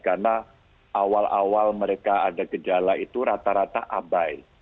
karena awal awal mereka ada gejala itu rata rata abai